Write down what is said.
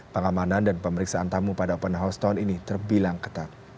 pengamanan dan pemeriksaan tamu pada open house tahun ini terbilang ketat